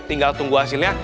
tinggal tunggu hasilnya